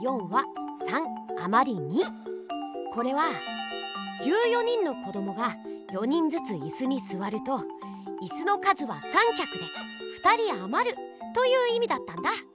これは１４人の子どもが４人ずついすにすわるといすの数は３きゃくで２人あまるといういみだったんだ！